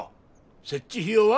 設置費用は？